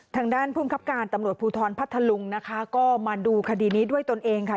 ทางด้านพุ่มครับการตำรวจภูทรผัดธรรมงศ์ก็มาดูคดีนี้ด้วยตนเองค่ะ